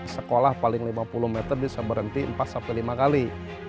sekolah paling lima puluh meter bisa berhenti empat sampai lima kali